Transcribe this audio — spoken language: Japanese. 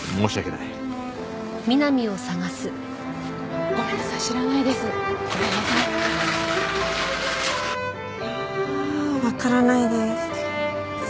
いやあわからないです。